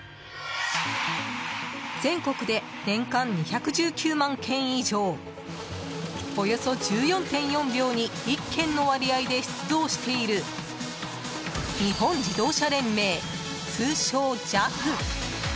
全国で年間２１９万件以上およそ１４．４秒に１件の割合で出動している日本自動車連盟、通称ＪＡＦ。